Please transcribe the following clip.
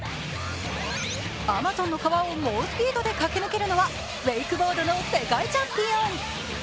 アマゾンの川を猛スピードで駆け抜けるのはウェイクボードの世界チャンピオン。